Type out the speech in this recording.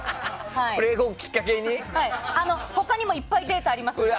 他にもいっぱいデータがありますので。